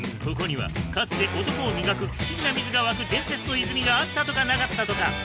ここにはかつて男を磨く不思議な水が湧く伝説の泉があったとかなかったとか